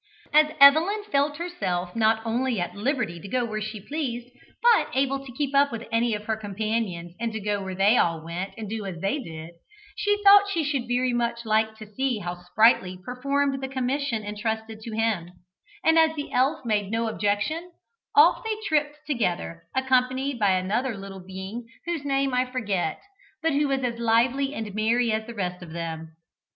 As Evelyn felt herself not only at liberty to go where she pleased, but able to keep up with any of her companions and to go where they went and do as they did, she thought she should very much like to see how Sprightly performed the commission entrusted to him, and as the elf made no objection, off they tripped together, accompanied by another little being whose name I forget, but who was as lively and merry as the rest of them.